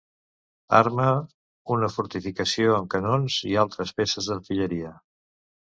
Arma una fortificació amb canons i altres peces d'artilleria.